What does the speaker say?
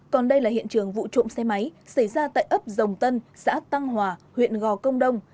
còn đây là hiện trường vụ trộm xe máy xảy ra tại ấp dòng tân xã tăng hòa huyện gò công đông